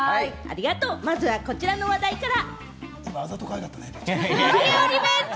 まずはこちらの話題から。